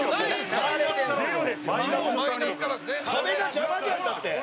山崎：壁が邪魔じゃん、だって。